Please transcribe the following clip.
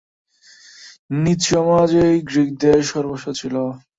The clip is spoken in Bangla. নিজ সমাজই গ্রীকদের সর্বস্ব ছিল।